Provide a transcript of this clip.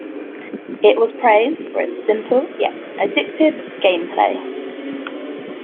It was praised for its simple yet addictive gameplay.